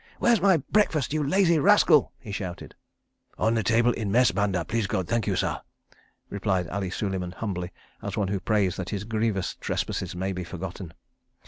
"Where's my breakfast, you lazy rascal?" he shouted. "On the table in Mess banda, please God, thank you, sah," replied Ali Suleiman humbly, as one who prays that his grievous trespasses may be forgotten.